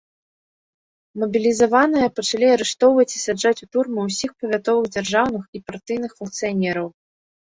Мабілізаваныя пачалі арыштоўваць і саджаць у турмы усіх павятовых дзяржаўных і партыйных функцыянераў.